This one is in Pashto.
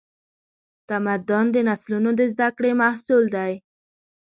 تمدن د نسلونو د زدهکړې محصول دی.